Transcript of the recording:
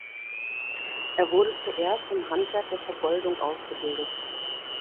Er wurde zuerst im Handwerk der Vergoldung ausgebildet.